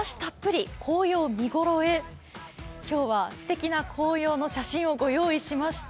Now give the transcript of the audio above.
今日はすてきな紅葉の写真を御用意しました。